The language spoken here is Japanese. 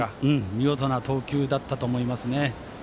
見事な投球だったと思います。